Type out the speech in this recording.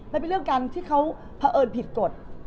มันเป็นเรื่องการที่เขาเผอิญผิดกฎ